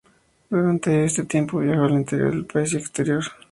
Durante este tiempo, viajó al interior del país y al exterior.